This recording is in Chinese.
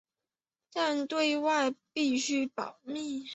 但是对外必须保密。